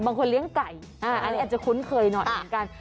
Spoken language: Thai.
บางคนเลี้ยงไก่อันนี้อาจจะคุ้นเคยหน่อยเหมือนกัน